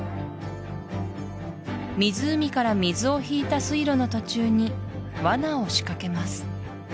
湖から水を引いた水路の途中にワナを仕掛けます